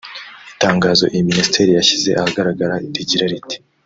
Itangazo iyi minisiteri yashyize ahagaragar rigira riti